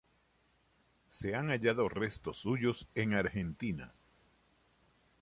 Se han hallado restos suyos en Argentina.